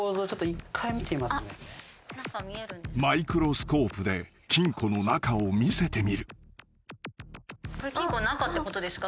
［マイクロスコープで金庫の中を見せてみる］